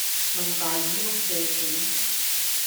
問大耳窿借錢